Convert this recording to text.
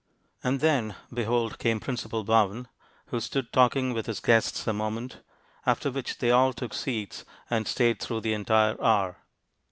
And then, behold, came Principal Bowen, who stood talking with his guests a moment, after which they all took seats and stayed through the entire hour.